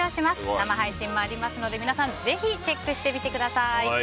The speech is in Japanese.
生配信もありますので、皆さんぜひチェックしてみてください。